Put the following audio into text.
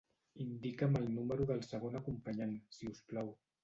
Indica'm el número del segon acompanyant, si us plau.